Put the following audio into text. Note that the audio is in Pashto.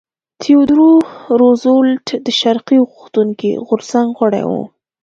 تیودور روزولټ د ترقي غوښتونکي غورځنګ غړی و.